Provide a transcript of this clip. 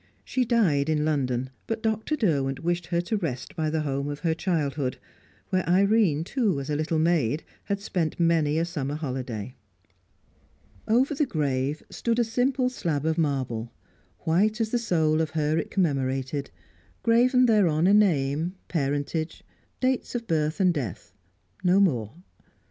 She died in London, but Dr. Derwent wished her to rest by the home of her childhood, where Irene, too, as a little maid, had spent many a summer holiday. Over the grave stood a simple slab of marble, white as the soul of her it commemorated, graven thereon a name, parentage, dates of birth and death no more.